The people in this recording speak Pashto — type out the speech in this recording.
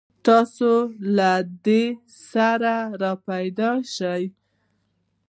تاسې له ده سره راپیدا شئ.